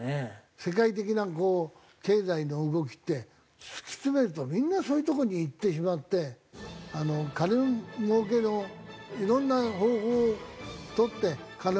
世界的な経済の動きって突き詰めるとみんなそういうとこに行ってしまって金もうけの色んな方法を取って金をもうけて。